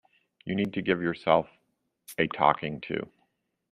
You need to give yourself a talking to.